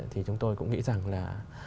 thì chúng tôi cũng nghĩ rằng là